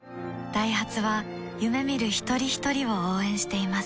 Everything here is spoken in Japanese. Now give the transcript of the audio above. ダイハツは夢見る一人ひとりを応援しています